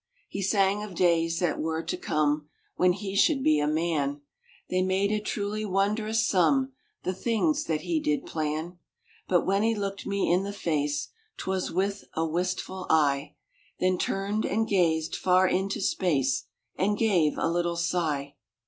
He sang of days that were to come, When he should be a man ; They made a truly wondrous sum, The things that he did plan. But when he looked me in the face, Twas with a wistful eye ; Then turned and gazed far into space, And gave a little sigh.